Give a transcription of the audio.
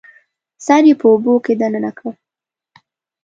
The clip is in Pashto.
سر یې په اوبو کې دننه کړ